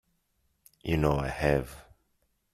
You know I have.